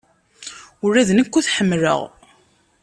Ula d nekk ur t-ḥemmleɣ.